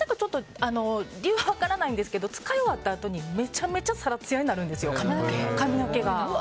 理由は分からないんですけど使ったあとにめちゃめちゃサラつやになるんですよ、髪の毛が。